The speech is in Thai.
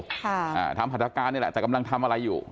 อ่าทำพัฒนาการนี่แหละแต่กำลังทำอะไรอยู่